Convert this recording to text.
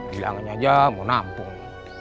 bilangin aja mau nampung